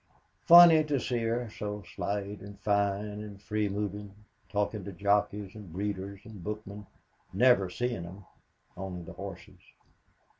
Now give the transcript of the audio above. Funny to see her so slight and fine and free moving, talking to jockeys and breeders and bookmen never seeing them only the horses.